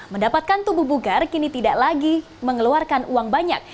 mendapatkan tubuh bugar kini tidak lagi mengeluarkan uang banyak